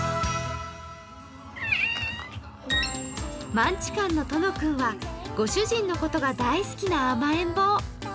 マンチカンのとの君はご主人のことが大好きな甘えん坊。